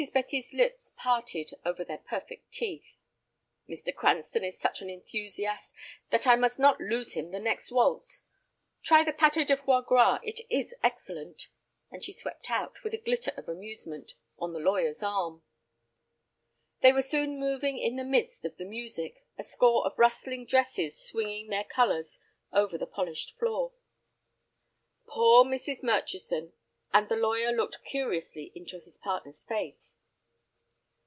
Betty's lips parted over their perfect teeth. "Mr. Cranston is such an enthusiast that I must not lose him the next waltz. Try the pâté de foie gras, it is excellent," and she swept out, with a glitter of amusement, on the lawyer's arm. They were soon moving in the midst of the music, a score of rustling dresses swinging their colors over the polished floor. "Poor Mrs. Murchison," and the lawyer looked curiously into his partner's face.